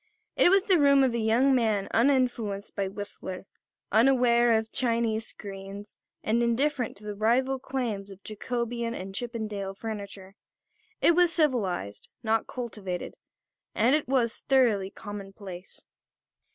It was the room of a young man uninfluenced by Whistler, unaware of Chinese screens and indifferent to the rival claims of Jacobean and Chippendale furniture. It was civilised, not cultivated; and it was thoroughly commonplace.